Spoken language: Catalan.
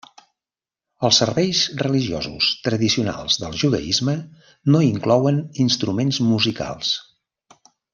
Els serveis religiosos tradicionals del judaisme no inclouen instruments musicals.